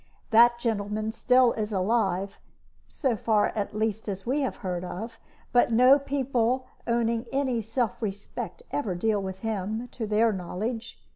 That gentleman still is alive so far, at least, as we have heard of; but no people owning any self respect ever deal with him, to their knowledge.